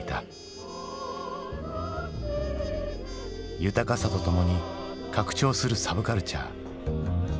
豊かさとともに拡張するサブカルチャー。